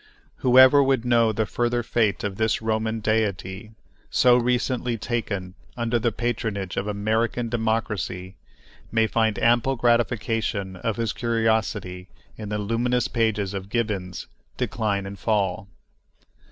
Whoever would know the further fate of this Roman deity, so recently taken under the patronage of American democracy, may find ample gratification of his curiosity in the luminous pages of Gibbon's "Decline and Fall."